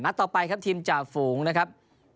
ต่อไปครับทีมจ่าฝูงนะครับ